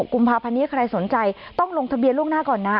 กุมภาพันธ์นี้ใครสนใจต้องลงทะเบียนล่วงหน้าก่อนนะ